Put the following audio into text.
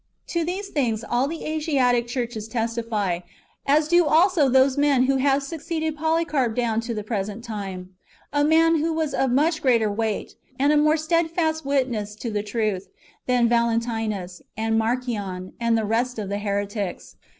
To these things all the Asiatic churches testify, as do also those men who have succeeded Polycarp down to the present time, — a man who was of much greater weight, and a more stedfast witness of truth, than Yalentinus, and Marcion, and the rest of the heretics.